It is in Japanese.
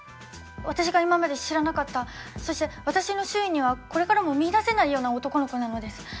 私が今まで知らなかったそして私の周囲にはこれからも見いだせないような男の子なのです。